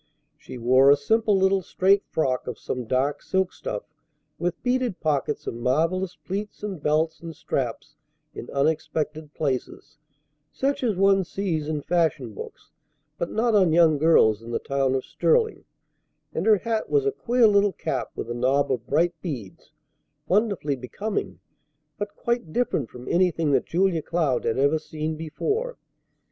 She wore a simple little straight frock of some dark silk stuff, with beaded pockets and marvellous pleats and belts and straps in unexpected places, such as one sees in fashion books, but not on young girls in the town of Sterling; and her hat was a queer little cap with a knob of bright beads, wonderfully becoming, but quite different from anything that Julia Cloud had ever seen before.